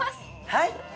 はい！